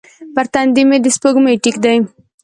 پر تندې مې د سپوږمۍ ټیک